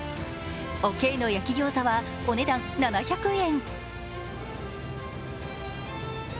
おけいの焼き餃子はお値段７００円。